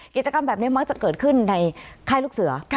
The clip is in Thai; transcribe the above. กิจกรรมแบบนี้มักจะเกิดขึ้นในค่ายลูกเสือ